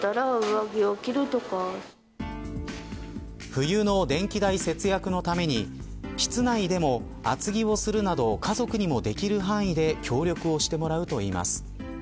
冬の電気代節約のために室内でも厚着をするなど家族にもできる範囲で協力をしてもらうといいます。